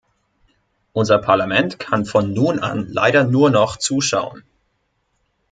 Unser Parlament kann von nun an leider nur noch zuschauen.